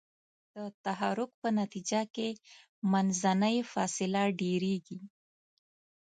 د تحرک په نتیجه کې منځنۍ فاصله ډیریږي.